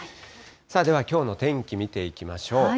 ではきょうの天気見ていきましょう。